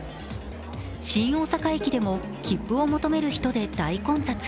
新大阪駅でも切符を求める人で大混雑。